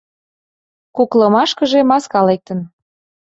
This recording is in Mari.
Куклымашкыже маска лектын.